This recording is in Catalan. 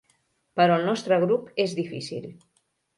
Però el nostre grup és difícil.